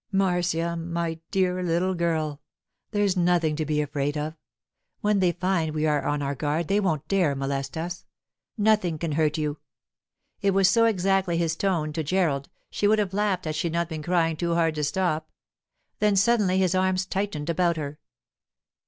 'Marcia! My dear little girl. There's nothing to be afraid of. When they find we are on our guard they won't dare molest us. Nothing can hurt you.' It was so exactly his tone to Gerald, she would have laughed had she not been crying too hard to stop. Then suddenly his arms tightened about her.